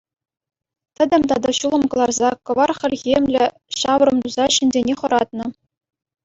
Тӗтӗм тата ҫулӑм кӑларса, кӑвар хӗлхемлӗ ҫаврӑм туса ҫынсене хӑратнӑ.